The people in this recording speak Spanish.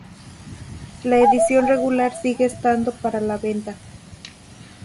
La edición regular sigue estando para la venta.